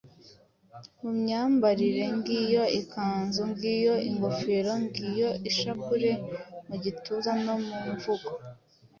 mu myambarire ngiyo ikanzu, ngiyo ingofero, ngiyo ishapule mu gituza no mu mvugo.